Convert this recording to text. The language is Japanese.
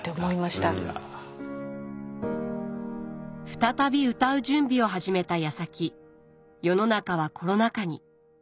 再び歌う準備を始めたやさき世の中はコロナ禍に。